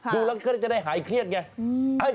ดูแล้วก็จะได้หายเครียดไง